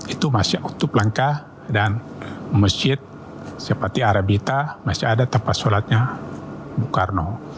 itu masih utup langkah dan masjid seperti arabita masih ada tempat sholatnya bung karno